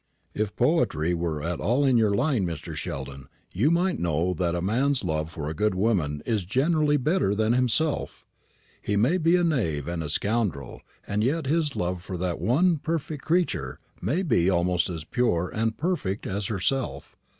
If poetry were at all in your line, Mr. Sheldon, you might know that a man's love for a good woman is generally better than himself. He may be a knave and a scoundrel, and yet his love for that one perfect creature may be almost as pure and perfect as herself.